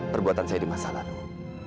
perbuatan saya di masa lalu